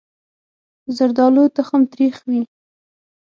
زردالو تخم تریخ وي.